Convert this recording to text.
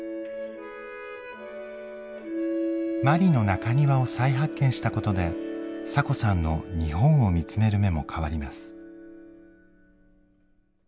マリの中庭を再発見したことでサコさんの日本を見つめる目も変わります。